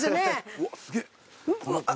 うわすげえ。